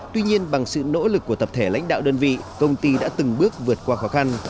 tuy nhiên bằng sự nỗ lực của tập thể lãnh đạo đơn vị công ty đã từng bước vượt qua khó khăn